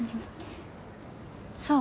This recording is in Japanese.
そう。